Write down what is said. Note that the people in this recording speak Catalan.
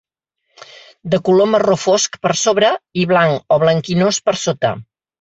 De color marró fosc per sobre i blanc o blanquinós per sota.